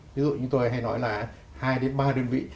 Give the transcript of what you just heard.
ví dụ như tôi hay nói là hai đến ba đơn vị